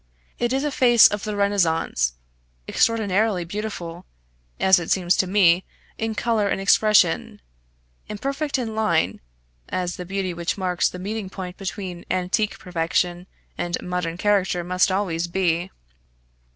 It is a face of the Renaissance, extraordinarily beautiful, as it seems to me, in colour and expression; imperfect in line, as the beauty which marks the meeting point between antique perfection and modern character must always be.